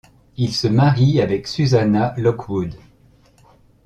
Il se marie avec Susanna Lockwood.